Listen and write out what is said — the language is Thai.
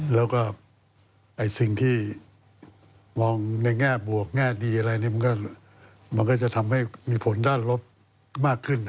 และสิ่งที่มองในแง่บวกแง่ดีมันจะทำให้มีผล๊ดลดมากขึ้น